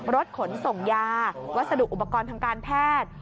รถขนส่งยาวัสดุอุปกรณ์ทางการแพทย์